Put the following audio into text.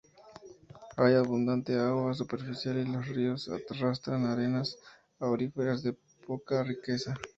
Hay abundante agua superficial y los ríos arrastran arenas auríferas de poca riqueza.